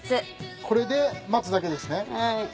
これで待つだけですね。